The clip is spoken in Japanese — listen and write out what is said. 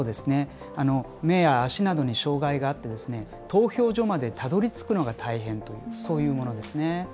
目や足などに障害があって投票所までたどりつくのが大変、そういうものです。